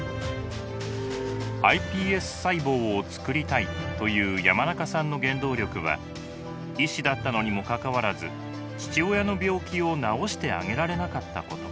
ｉＰＳ細胞をつくりたいという山中さんの原動力は医師だったのにもかかわらず父親の病気を治してあげられなかったこと。